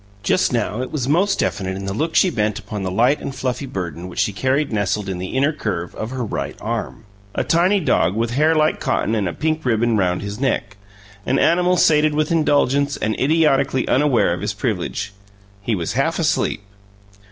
Just now it was most definite in the look she bent upon the light and fluffy burden which she carried nestled in the inner curve of her right arm: a tiny dog with hair like cotton and a pink ribbon round his neck an animal sated with indulgence and idiotically unaware of his privilege. He was half asleep!